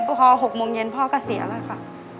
พอ๖โมงเย็นพ่อก็เสียแล้วค่ะ